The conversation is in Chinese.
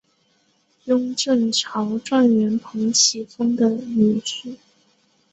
雍正朝状元彭启丰的女婿。